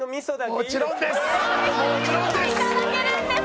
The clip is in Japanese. もちろんです！